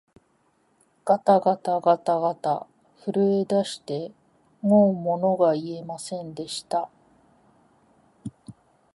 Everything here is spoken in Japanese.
がたがたがたがた、震えだしてもうものが言えませんでした